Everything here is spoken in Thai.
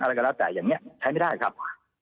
อะไรก็แล้วแต่อย่างนี้ใช้ไม่ได้ครับ